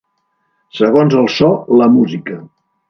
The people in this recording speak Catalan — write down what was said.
Segons el so, la música.